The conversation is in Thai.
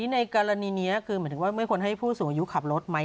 ในกรณีนี้คือหมายถึงว่าไม่ควรให้ผู้สูงอายุขับรถไหม